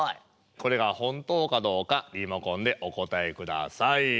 これが本当かどうかリモコンでおこたえください。